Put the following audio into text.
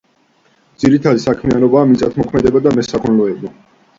ძირითადი საქმიანობაა მიწათმოქმედება და მესაქონლეობა.